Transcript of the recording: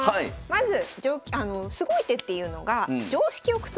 まずすごい手っていうのが常識を覆す